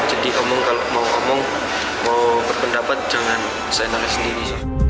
jadi omong kalau mau omong mau berpendapat jangan saya nolak sendiri